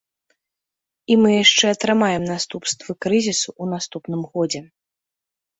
І мы яшчэ атрымаем наступствы крызісу ў наступным годзе.